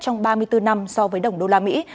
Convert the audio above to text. trong ba mươi bốn năm so với đồng đô la mỹ